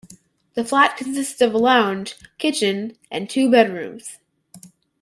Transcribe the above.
The flat consisted of a lounge, kitchen and two bedrooms.